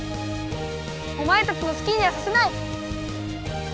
おまえたちのすきにはさせない！